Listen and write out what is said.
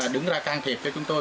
đứng ra can thiệp cho chúng tôi